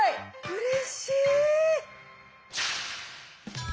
うれしい！